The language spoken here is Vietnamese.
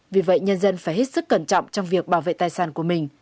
vì vậy nhân dân phải hết sức cẩn trọng trong việc bảo vệ tài sản của mình